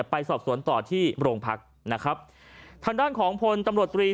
ไปสอบสวนต่อที่โรงพักนะครับทางด้านของพลตำรวจตรี